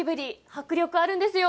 迫力あるんですよ。